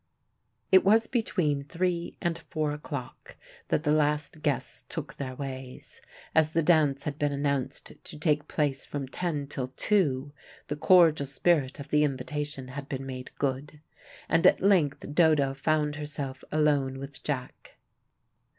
It was between three and four o'clock that the last guests took their ways. As the dance had been announced to take place from ten till two, the cordial spirit of the invitation had been made good. And at length Dodo found herself alone with Jack.